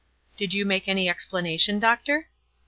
"Did you make any explanation, doctor?"